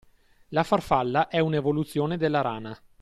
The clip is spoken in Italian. La farfalla è un’evoluzione della rana.